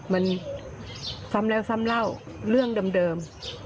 มันซ้ำเล่าเล่าเรื่องเดม